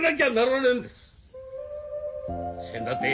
せんだって